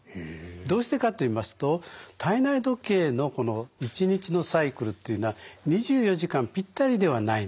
どうしてかといいますと体内時計のこの一日のサイクルっていうのは２４時間ぴったりではないんですね。